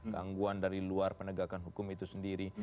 gangguan dari luar penegakan hukum itu sendiri